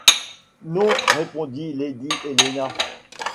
Non, répondit lady Helena.